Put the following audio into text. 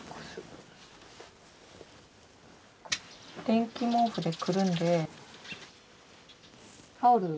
電気毛布でくるんでタオル。